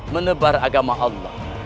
menebar agama allah